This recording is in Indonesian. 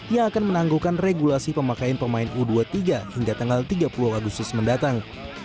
yang akan menangguhkan regulasi pemakaian pemain u dua puluh tiga hingga tanggal tiga puluh agustus mendatang